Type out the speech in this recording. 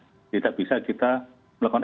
jadi tidak bisa kita melakukan